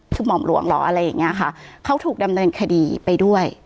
คือหม่อมหลวงเหรออะไรอย่างเงี้ยค่ะเขาถูกดำเนินคดีไปด้วย